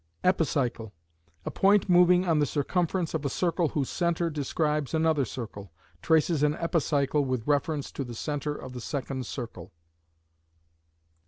Epicycle: A point moving on the circumference of a circle whose centre describes another circle, traces an epicycle with reference to the centre of the second circle.